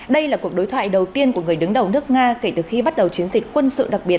đây là cuộc đối thoại đầu tiên của người đứng đầu nước nga kể từ khi bắt đầu chiến dịch quân sự đặc biệt